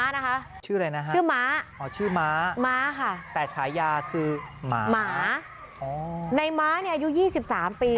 ในหมาอายุ๒๓ปี